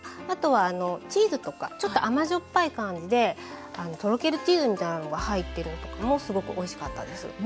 あとはチーズとかちょっと甘じょっぱい感じでとろけるチーズみたいなのが入ってるのとかもすごくおいしかったです。